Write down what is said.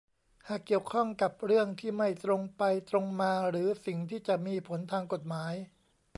หากเกี่ยวข้องกับเรื่องที่ไม่ตรงไปตรงมาหรือสิ่งที่จะมีผลทางกฎหมาย